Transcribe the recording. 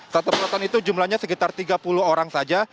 satu penonton itu jumlahnya sekitar tiga puluh orang saja